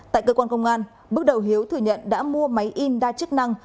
tại cơ quan công an bước đầu hiếu thừa nhận đã mua máy in đa chức năng